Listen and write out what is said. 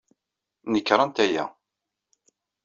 Nekṛent aya.